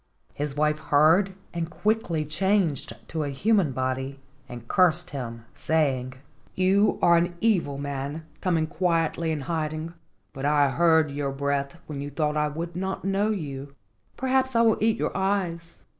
His wife heard and quickly changed to a human body, and cursed him, saying: "You are an evil man coming quietly and hiding, but I heard your breath when you thought I would not know you. Perhaps I will eat your eyes.